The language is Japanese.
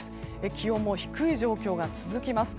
気温も低い状況が続きます。